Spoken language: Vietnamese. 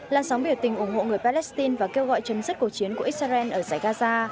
làn sóng biểu tình ủng hộ người palestine và kêu gọi chấm dứt cuộc chiến của israel ở giải gaza